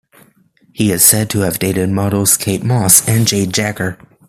He is said to have dated models Kate Moss and Jade Jagger.